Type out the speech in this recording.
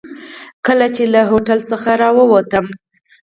کله چې له تالار څخه راووتم.